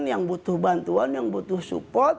yang butuh bantuan yang butuh support